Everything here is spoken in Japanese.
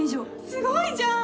すごいじゃん！